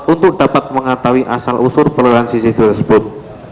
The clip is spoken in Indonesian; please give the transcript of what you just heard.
untuk dapat mengetahui asal usur perlawanan cctv tersebut